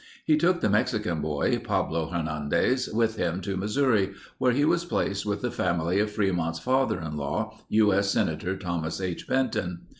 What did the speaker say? He took the Mexican boy, Pablo Hernandez, with him to Missouri where he was placed with the family of Fremont's father in law, U. S. Senator Thomas H. Benton.